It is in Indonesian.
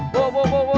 bo tasik bo